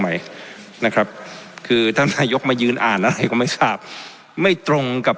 ไหมนะครับคือท่านนายกมายืนอ่านอะไรก็ไม่ทราบไม่ตรงกับ